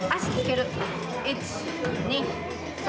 １２３